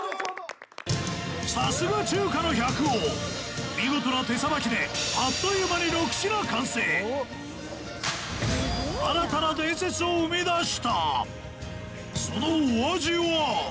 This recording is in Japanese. さすが中華の百王見事な手さばきであっという間に新たな伝説を生み出したそのお味は？